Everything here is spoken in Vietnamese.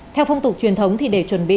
theo phong tục truyền thống thì để chuẩn bị